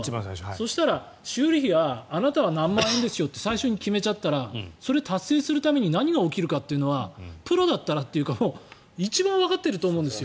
そしたら修理費はあなたは何万円ですよって最初に決めちゃったらそれ達成するために何が起きるかというのはプロだったらというか一番わかっていると思うんです。